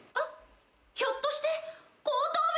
ひょっとして後頭部。